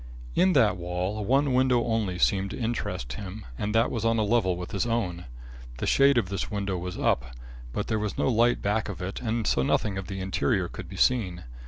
In that wall, one window only seemed to interest him and that was on a level with his own. The shade of this window was up, but there was no light back of it and so nothing of the interior could be seen.